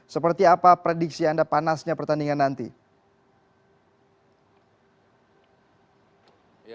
seperti apa prediksi anda panasnya pertandingan nanti